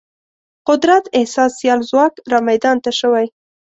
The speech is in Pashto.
قدرت احساس سیال ځواک رامیدان ته شوی.